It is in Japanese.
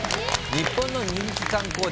日本の人気観光地